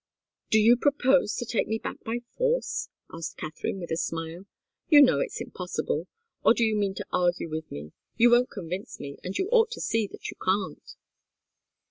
"Do you propose to take me back by force?" asked Katharine, with a smile. "You know it's impossible. Or do you mean to argue with me? You won't convince me, and you ought to see that you can't."